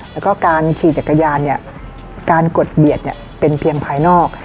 และการฉีกจากกะยานกดเบียดเป็นเพียงภายนอก